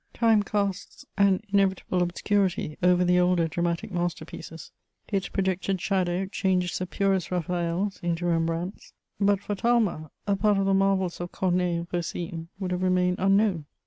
Time casts an inevitable obscurity over the older dramatic masterpieces: its projected shadow changes the purest Raphaëls into Rembrandts; but for Talma, a part of the marvels of Corneille and Racine would have remained unknown.